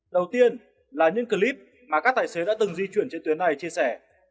đầu tiên là những clip mà các tài xế đã từng di chuyển trên tuyến này chia sẻ